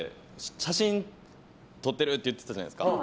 写真撮ってるって言ってたじゃないですか